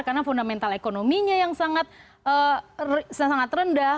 karena fundamental ekonominya yang sangat rendah